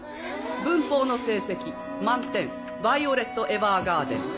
文法の成績満点ヴァイオレット・エヴァーガーデン。